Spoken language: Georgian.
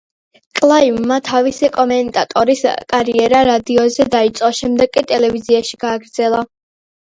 კლაივმა თავისი კომენტატორის კარიერა რადიოზე დაიწყო, შემდეგ კი ტელევიზიაში გააგრძელა.